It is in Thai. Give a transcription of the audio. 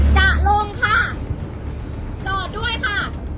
จะลงค่ะจอดด้วยค่ะ